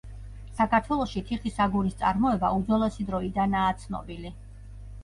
საქართველოში თიხის აგურის წარმოება უძველესი დროიდანაა ცნობილი.